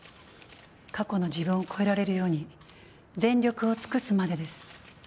過去の自分を超えられるように全力を尽くすまでです。